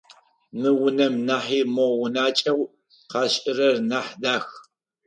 Мы унэм нахьи мо унакӏэу къашӏырэр нахь дах.